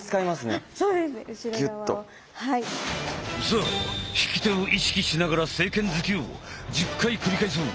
さあ引き手を意識しながら正拳突きを１０回繰り返そう！